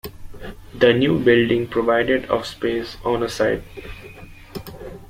The new building provided of space, on a site.